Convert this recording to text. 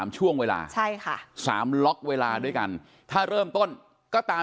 ช่วงเวลาใช่ค่ะ๓ล็อกเวลาด้วยกันถ้าเริ่มต้นก็ตาม